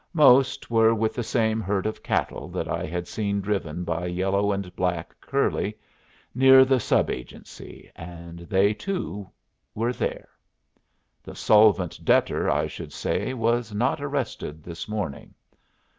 Most were with the same herd of cattle that I had seen driven by yellow and black curly near the sub agency, and they two were there. The solvent debtor, I should say, was not arrested this morning.